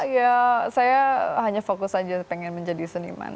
ya saya hanya fokus saja pengen menjadi seniman